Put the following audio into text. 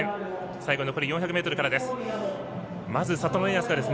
最後、残り４００ｍからです。